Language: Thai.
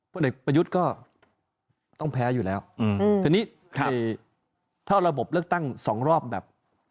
เด็กประยุทธ์ก็ต้องแพ้อยู่แล้วทีนี้ถ้าระบบเลือกตั้งสองรอบแบบ